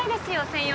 専用